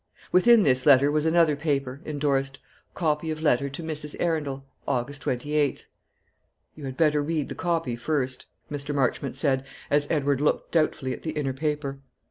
Within this letter was another paper, indorsed, "Copy of letter to Mrs. Arundel, August 28th." "You had better read the copy first," Mr. Marchmont said, as Edward looked doubtfully at the inner paper.